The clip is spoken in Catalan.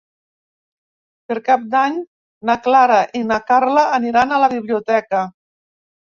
Per Cap d'Any na Clara i na Carla aniran a la biblioteca.